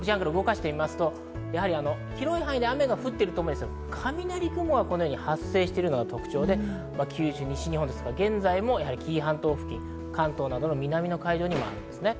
広い範囲で雨が降っていますが、雷雲が発生しているのが特徴で九州、西日本、現在も紀伊半島付近、関東などの南の海上にもありますね。